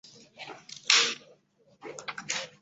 咸丰元年改临榆县知县。